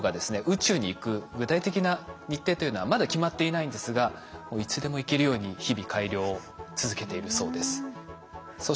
宇宙に行く具体的な日程というのはまだ決まっていないんですがいつでも行けるように日々改良を続けているそうです。